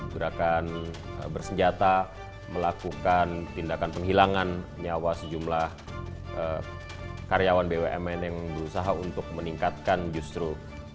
gerakan bersenjata melakukan tindakan penghilangan nyawa sejumlah karyawan bumn yang berusaha untuk meningkatkan justru